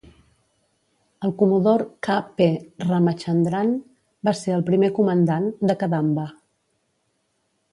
El comodor K. P. Ramachandran va ser el primer comandant de "Kadamba".